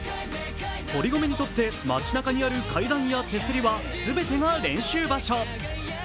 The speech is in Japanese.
堀米にとって街なかにある階段や手すりは全てが練習場所。